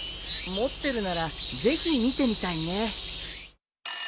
持ってるならぜひ見てみたいね。